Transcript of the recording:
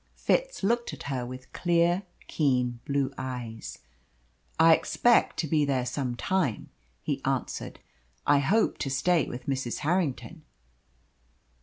Fitz looked at her with clear, keen blue eyes. "I expect to be there some time," he answered. "I hope to stay with Mrs. Harrington."